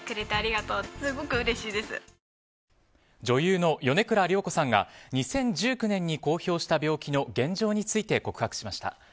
女優の米倉涼子さんが２０１９年に公表した病気の現状について告白しました。